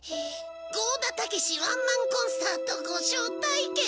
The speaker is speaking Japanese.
「剛田武ワンマンコンサートご招待券」？